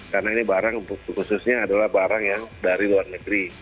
karena ini barang khususnya adalah barang yang dari luar negeri